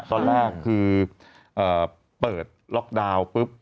ตอนแรกคือเปิดล็อกดาวน์ปุ๊บ